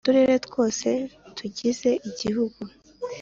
Uturere twose tugize Igihugu